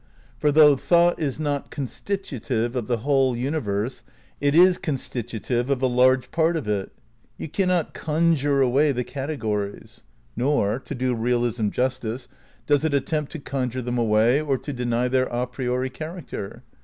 For though thought is not constitutive of the whole universe it is constitutive of a large part of it. You cannot conjure away the categories. Nor, to do realism justice, does it attempt to conjure them away, or to deny their a priori character.